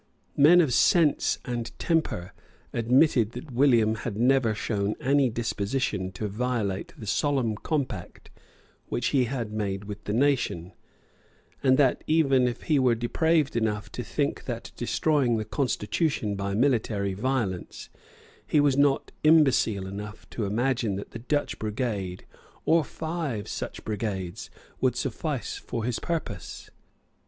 Men of sense and temper admitted that William had never shown any disposition to violate the solemn compact which he had made with the nation, and that, even if he were depraved enough to think of destroying the constitution by military violence, he was not imbecile enough to imagine that the Dutch brigade, or five such brigades, would suffice for his purpose.